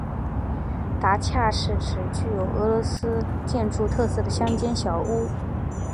达恰是指具有俄罗斯建筑特色的乡间小屋。